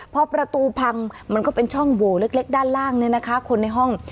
พอประตูพังมันก็เป็นช่องโหวเล็กด้านล่างเนี่ยนะคะคนในห้อง